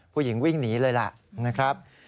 ผู้หญิงวิ่งหนีเลยล่ะนะครับ